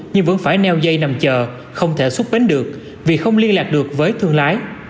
nhưng vẫn phải neo dây nằm chờ không thể xuất bến được vì không liên lạc được với thương lái